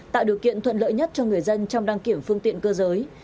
tạo điều kiện thuận lợi nhất cho người dân trong đăng kiểm phương tiện cơ giới